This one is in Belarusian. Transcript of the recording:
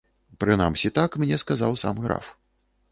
Прынамсі, так мне казаў сам граф.